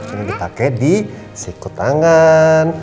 ini dipake di siku tangan